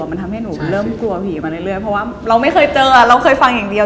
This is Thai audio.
มันทำให้หนูเริ่มกลัวผีมาเรื่อยเพราะว่าเราไม่เคยเจอเราเคยฟังอย่างเดียว